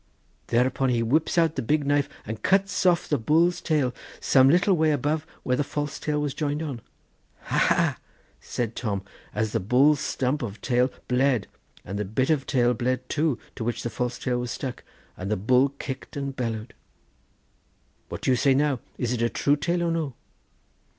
Thereupon he whips out big knife and cuts off the bull's tail, some little way above where the false tail was joined on. 'Ha, ha,' said Tom, as the bull's stump of tail bled, and the bit of tail bled, too, to which the false tail was stuck, and the bull kicked and bellowed. 'What say you now? Is it a true tail or no?